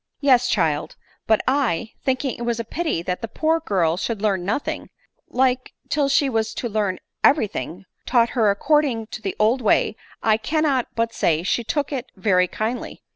" Yes, child ; but I, thinking it a pity that the poor girl should learn nothing, like, till she was to learn every thing, taught her according to the old way ; and I cannot but say she took it very kindly.